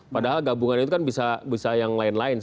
padahal gabungan itu kan bisa yang lain lain